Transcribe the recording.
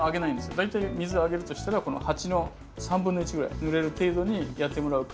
大体水あげるとしたらこの鉢の３分の１ぐらいぬれる程度にやってもらうか。